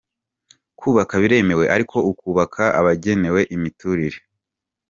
Kubaka biremewe ariko ukubaka ahagenewe imiturire.